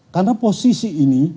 karena posisi ini